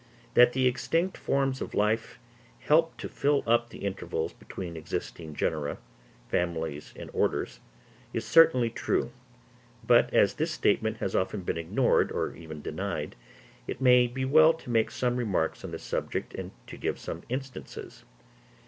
That the extinct forms of life help to fill up the intervals between existing genera, families, and orders, is certainly true; but as this statement has often been ignored or even denied, it may be well to make some remarks on this subject, and to give some instances.